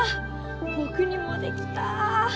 ぼくにもできた。